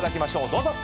どうぞ！